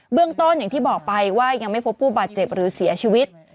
เรื่องต้นอย่างที่บอกไปว่ายังไม่พบผู้บาดเจ็บหรือเสียชีวิต